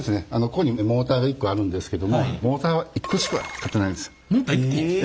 ここにモーターが１個あるんですけどもモーターは１個しか使ってないんです。